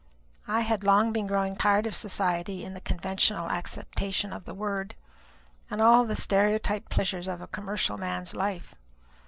I had long been growing tired of society, in the conventional acceptation of the word, and all the stereotyped pleasures of a commercial man's life.